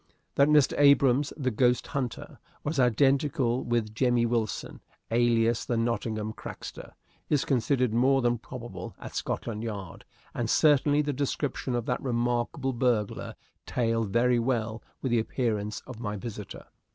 That Mr. Abrahams, the ghost hunter, was identical with Jemmy Wilson, alias the Nottingham Crackster, is considered more than probable at Scotland Yard, and certainly the description of that remarkable burglar tallied very well with the appearance of my visitor.